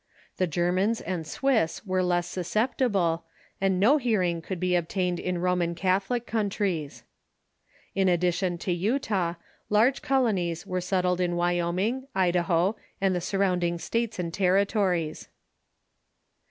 The Germans and Swiss were less susceptible, and no hearing could be obtained in Roman Catholic countries. THE MORMONS 587 In addition to Utah, large colonies were settled in Wyoming, Idaho, and the surrounding states and territories.